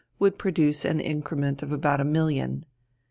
would produce an increment of about a million.